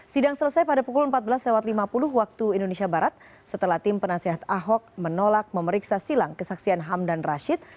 sidang selesai pada pukul empat belas lima puluh waktu indonesia barat setelah tim penasehat ahok menolak memeriksa silang kesaksian hamdan rashid